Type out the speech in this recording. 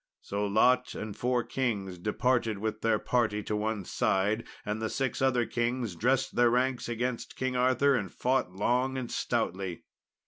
So Lot and four kings departed with their party to one side, and the six other kings dressed their ranks against King Arthur and fought long and stoutly.